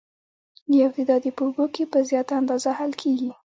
یو تعداد یې په اوبو کې په زیاته اندازه حل کیږي.